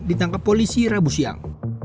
ditangkap polisi rabu siang